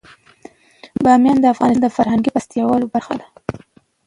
بامیان د افغانستان د فرهنګي فستیوالونو برخه ده.